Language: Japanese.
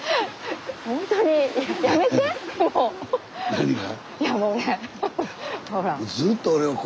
何が？